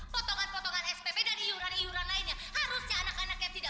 potongan potongan spp dan iuran iuran lainnya harusnya anak anak yang tidak